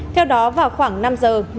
theo đó vào khoảng năm giờ